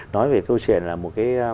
nói về câu chuyện là một cái